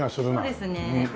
そうですね。